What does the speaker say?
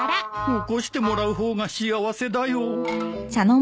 起こしてもらう方が幸せだよ。